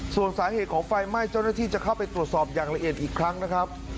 ส่วนสาเหตุของไฟไหม้เจ้าหน้าที่จะเข้าไปตรวจสอบอย่างละเอียดอีกครั้งนะครับ